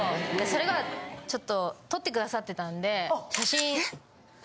それがちょっと撮ってくださってたんで写真。